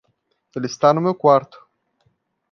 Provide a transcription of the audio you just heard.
Ele está no meu quarto.